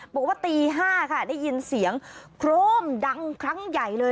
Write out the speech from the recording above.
บอกว่าตี๕ค่ะได้ยินเสียงโครมดังครั้งใหญ่เลย